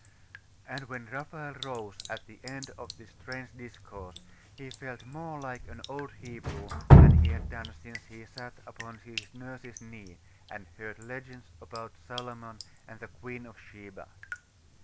And when Raphael rose at the end of this strange discourse, he felt more like an old Hebrew than he had done since he sat upon his nurse's knee, and heard legends about Solomon and the Queen of Sheba.